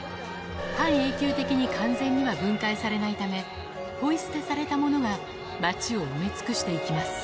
半永久的に完全には分解されないため、ぽい捨てされたものが街を埋め尽くしていきます。